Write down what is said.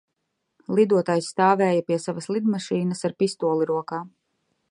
Lidotājs stāvēja pie savas lidmašīnas ar pistoli rokā.